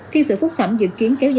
phiên xử phúc thẩm dự kiến kéo dài